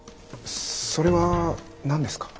それは何ですか？